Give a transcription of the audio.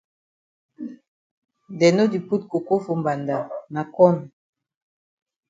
Dem no di put coco for mbanda na corn.